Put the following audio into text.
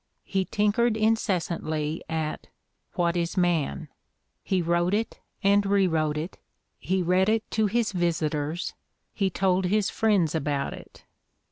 He tinkered incessantly at "What Is Man?" He wrote it and rewrote it, he read it to his visitors, he told his friends about it.